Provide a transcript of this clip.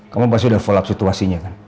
kamu pasti udah follow up situasinya kan